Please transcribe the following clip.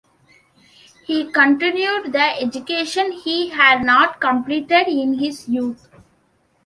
He continued the education he had not completed in his youth.